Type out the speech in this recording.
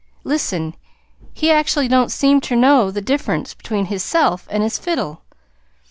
Listen. He actually don't seem ter know the diff'rence between himself an' his fiddle.